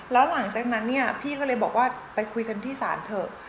แล้วหลังจากนั้นเนี่ยพี่ก็เลยบอกว่าไปคุยกันที่ศาลเถอะ